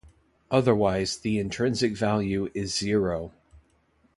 Otherwise the intrinsic value is zero.